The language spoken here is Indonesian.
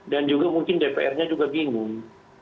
dan juga mungkin dpr nya juga bingung